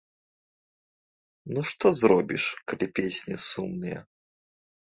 Ну што зробіш, калі песні сумныя?